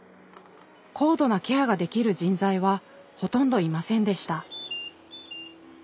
高度なケアができる人材はほとんどいませんでした。